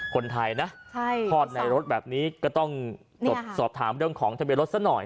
คนไทยนะคลอดในรถแบบนี้ก็ต้องสอบถามเรื่องของทะเบียนรถซะหน่อย